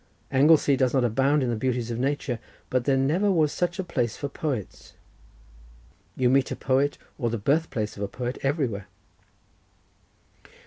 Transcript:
Anglesey does not abound in the beauties of nature, but there never was such a place for poets; you meet a poet, or the birth place of a poet, everywhere."